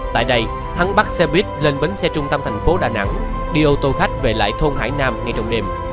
tại đây hắn bắt xe buýt lên bến xe trung tâm thành phố đà nẵng đi ô tô khách về lại thôn hải nam ngay trong đêm